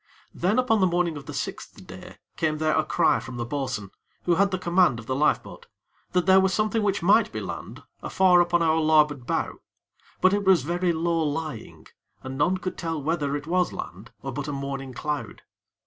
Then upon the morning of the sixth day came there a cry from the bo'sun, who had the command of the lifeboat, that there was something which might be land afar upon our larboard bow; but it was very low lying, and none could tell whether it was land or but a morning cloud.